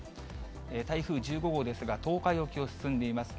台風１５号ですが、東海沖を進んでいます。